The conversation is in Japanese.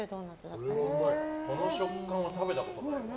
この食感は食べたことないね。